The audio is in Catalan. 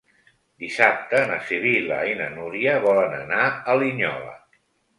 Dissabte na Sibil·la i na Núria volen anar a Linyola.